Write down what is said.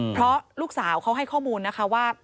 เพราะลูกสาวเขาให้ข้อมูลนะคะว่า